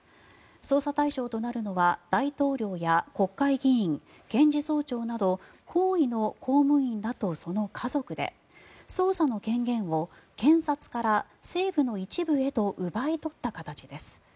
捜査対象となるのは大統領や国会議員検事総長など高位の公務員らとその家族で捜査の権限を検察から政府の一部へと奪い取った形です。